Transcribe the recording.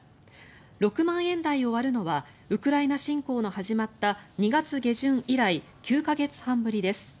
６万円台を割るのはウクライナ侵攻が始まった２月下旬以来９か月ぶりです。